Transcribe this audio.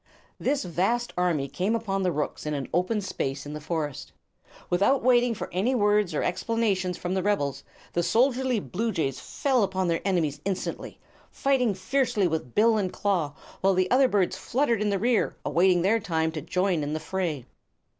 This vast army came upon the rooks in an open space in the forest. Without waiting for any words or explanations from the rebels, the soldierly bluejays fell upon their enemies instantly, fighting fiercely with bill and claw, while the other birds fluttered in the rear, awaiting their time to join in the affray.